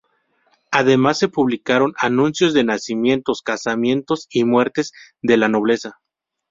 Además se publicaron anuncios de nacimientos, casamientos y muertes de la nobleza.